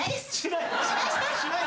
しない？